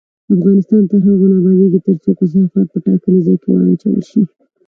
افغانستان تر هغو نه ابادیږي، ترڅو کثافات په ټاکلي ځای کې ونه اچول شي.